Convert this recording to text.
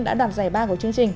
đã đoạt giải ba của chương trình